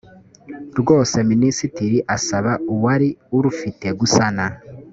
rwose minisitiri asaba uwari urufite gusana